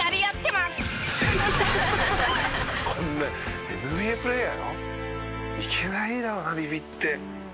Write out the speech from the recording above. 「いけないだろうなビビって」